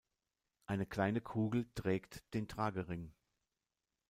Eine kleine Kugel trägt den Tragering.